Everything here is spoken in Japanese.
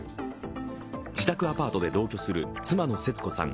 自宅アパートで同居する妻の節子さん